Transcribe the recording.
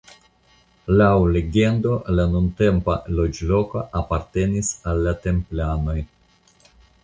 Laŭ legendo la nuntempa loĝloko apartenis al la Templanoj.